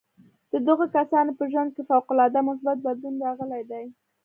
د دغو کسانو په ژوند کې فوق العاده مثبت بدلون راغلی دی